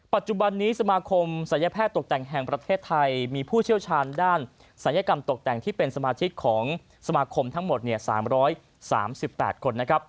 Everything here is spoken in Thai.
ปัจจุบันนี้สมาคมศัลยแพทย์ตกแต่งแห่งประเทศไทยมีผู้เชี่ยวชาญด้านศัลยกรรมตกแต่งที่เป็นสมาชิกของสมาคมทั้งหมด๓๓๘คน